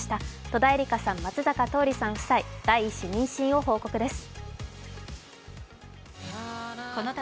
戸田恵梨香さん、松坂桃李さん夫妻、第１子妊娠を報告です。